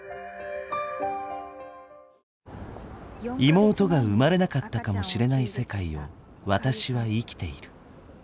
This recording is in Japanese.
妹が生まれなかったかもしれない世界を私は生きている。